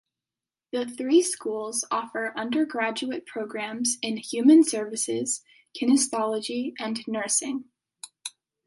The three schools offers undergraduate programs in human services, kinesiology, and nursing.